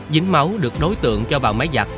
dính máu được đối tượng cho vào máy giặt